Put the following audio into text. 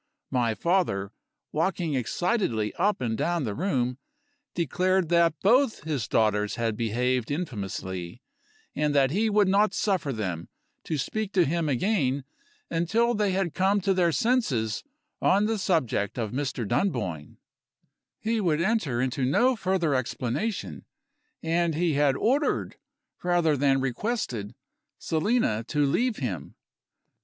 My father, walking excitedly up and down the room, declared that both his daughters had behaved infamously, and that he would not suffer them to speak to him again until they had come to their senses, on the subject of Mr. Dunboyne. He would enter into no further explanation; and he had ordered, rather than requested, Selina to leave him.